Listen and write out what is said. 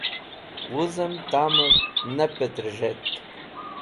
Wuzẽm tamv ne pẽtẽrzhetk